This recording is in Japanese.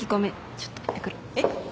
ちょっと行ってくるえっ？